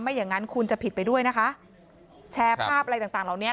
อย่างนั้นคุณจะผิดไปด้วยนะคะแชร์ภาพอะไรต่างต่างเหล่านี้